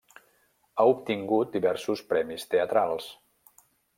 Ha obtingut diversos premis teatrals.